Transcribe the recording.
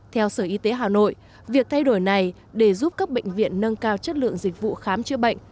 theo sở y tế hà nội việc thay đổi này để giúp các bệnh viện nâng cao chất lượng dịch vụ khám chữa bệnh